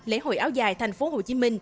lễ hội áo dài tp hcm